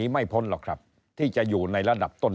ไม่พ้นหรอกครับที่จะอยู่ในระดับต้น